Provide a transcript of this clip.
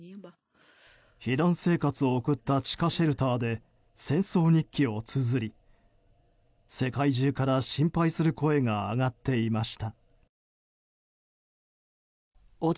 避難生活を送った地下シェルターで「戦争日記」をつづり世界中から心配する声が上がっています。